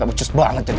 gak becus banget jadi